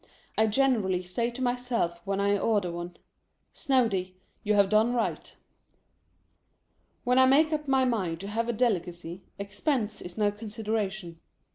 I generally say to myself when I order one, "Snoady, you have done right." When I make up my mind to have a delicacy, expense is no consideration.